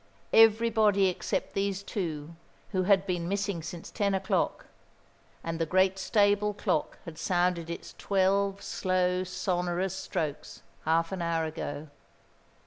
Everybody except these two, who had been missing since ten o'clock; and the great stable clock had sounded its twelve slow, sonorous strokes half an hour ago.